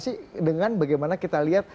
sih dengan bagaimana kita lihat